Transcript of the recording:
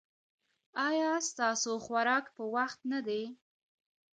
ایا ستاسو خوراک په وخت نه دی؟